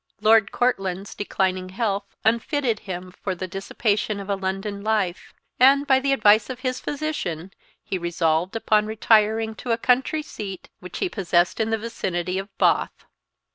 Lord Courtland's declining health unfitted him for the dissipation of a London life; and, by the advice of his physician, he resolved upon retiring to a country seat which he possessed in the vicinity of Bath.